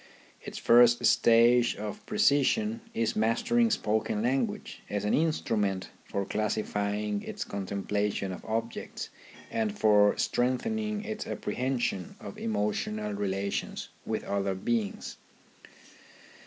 Its first stage of precision is mastering spoken language as an instrument for classifying its contemplation of objects and for strengthening $4 THE RHYTHM OF EDUCATION its apprehension of emotional relations with other beings.